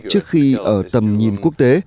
trước khi ở tầm nhìn quốc tế